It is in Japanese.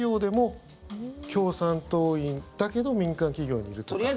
共産党員だけど民間企業にいるだとか。